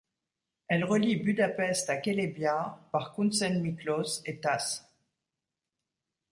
Elle relie Budapest à Kelebia par Kunszentmiklós et Tass.